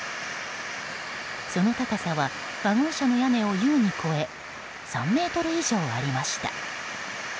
その高さはワゴン車の屋根を優に超え３ｍ以上ありました。